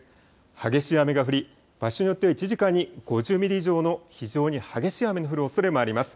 激しい雨が降り場所によっては１時間に５０ミリ以上の非常に激しい雨の降るおそれもあります。